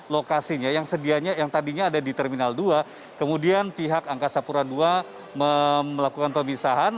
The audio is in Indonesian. lokasinya yang tadinya ada di terminal dua kemudian pihak angkasa purwa dua melakukan pemisahan